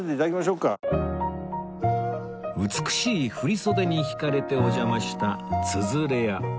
美しい振袖に引かれてお邪魔したつゞれ屋